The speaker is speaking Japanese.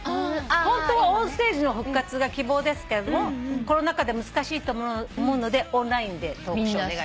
「ホントはオンステージの復活が希望ですけれどもコロナ禍で難しいと思うのでオンラインでトークショーお願い」